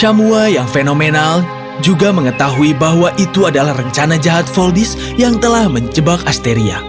samua yang fenomenal juga mengetahui bahwa itu adalah rencana jahat voldis yang telah menjebak asteria